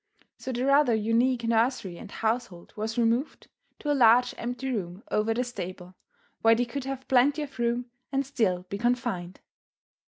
So the rather unique nursery and household was removed to a large empty room over the stable, where they could have plenty of room and still be confined.